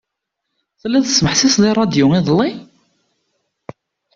Telliḍ tesmeḥsiseḍ i rradyu iḍelli?